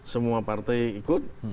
semua partai ikut